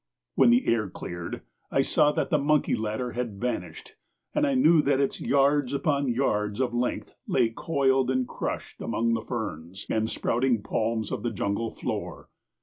When the air cleared I saw that the monkey ladder had vanished and I knew that its yards upon yards of length lay coiled and crushed among the ferns and sprouting palms of the jungle floor.